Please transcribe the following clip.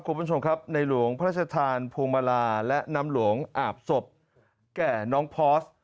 คุณผู้ชมครับในหลวงพระราชทานพวงมาลาและน้ำหลวงอาบศพแก่น้องพอส